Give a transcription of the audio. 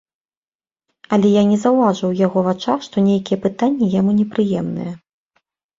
Але я не заўважыў ў яго вачах, што нейкія пытанні яму непрыемныя.